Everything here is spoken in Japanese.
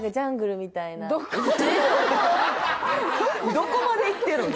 どこまで行ってるん？